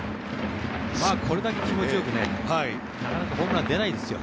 これだけ気持ちよくなかなかホームランは出ないですよ。